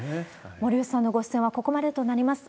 森内さんのご出演はここまでとなります。